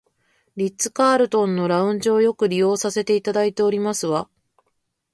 リッツカールトンのラウンジをよく利用させていただいておりますわ